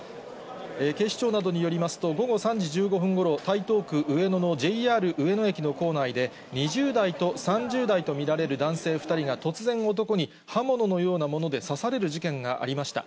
警視庁などによりますと、午後３時１５分ごろ、台東区上野のＪＲ上野駅の構内で、２０代と３０代と見られる男性２人が、突然、男に刃物のようなもので刺される事件がありました。